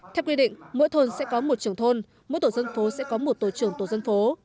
theo quy định mỗi thôn sẽ có một trưởng thôn mỗi tổ dân phố sẽ có một tổ trưởng tổ dân phố